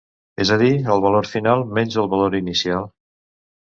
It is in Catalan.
És a dir el valor final menys el valor inicial.